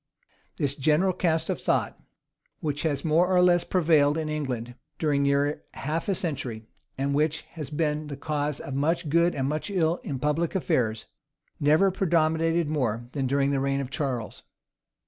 This general cast of thought, which has more or less prevailed in England during near a century and a half, and which has been the cause of much good and much ill in public affairs, never predominated more than during the reign of Charles.